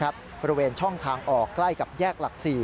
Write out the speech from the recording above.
บริเวณช่องทางออกใกล้กับแยกหลัก๔